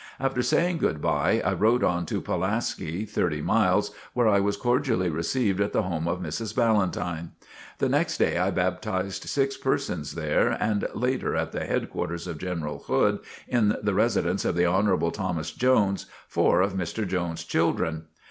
After saying "good bye," I rode on to Pulaski, thirty miles, where I was cordially received at the home of Mrs. Ballentine. The next day I baptized six persons there, and later at the headquarters of General Hood, in the residence of the Honorable Thomas Jones, four of Mr. Jones' children.